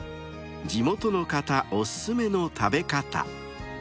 地元の方お勧めの食べ方］